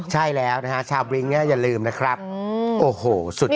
ใช่แล้วนะฮะชาวบริ้งเนี่ยอย่าลืมนะครับโอ้โหสุด